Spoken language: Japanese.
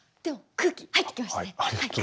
空気入ってきました。